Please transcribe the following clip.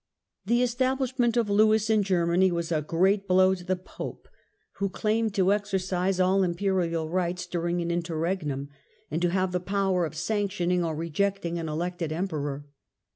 The establishment of Lewis in Germany was a great blow to the Pope, who claimed to exercise all Imperial rights dm ing an interregnum, and to have the power of sanctioning or rejecting an elected Emperor.